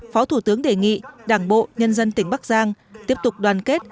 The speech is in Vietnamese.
phó thủ tướng đề nghị đảng bộ nhân dân tỉnh bắc giang tiếp tục đoàn kết